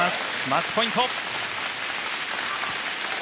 マッチポイント！